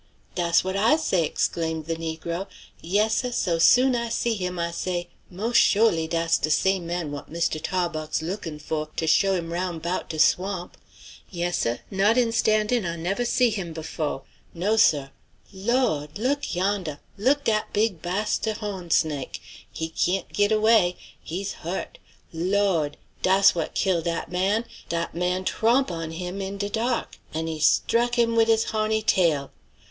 "Dass what I say!" exclaimed the negro. "Yes, seh, so soon I see him I say, mos' sholy dass de same man what Mistoo Tah bawx lookin' faw to show him 'roun' 'bout de swamp! Yes, seh, not instandin' I never see him befo'! No, seh. Lawd! look yondeh! look dat big bahsta'd hawn snake! He kyant git away: he's hu't! Lawd! dass what kill dat man! Dat man trawmp on him in de dark, and he strack him wid his hawny tail!